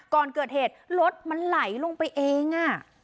ก่อนเกิดเหตุรถมันไหลลงไปเอง